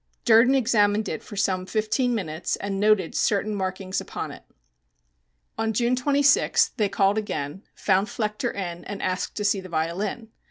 Durden examined it for some fifteen minutes and noted certain markings upon it. On June 26th they called again, found Flechter in and asked to see the violin.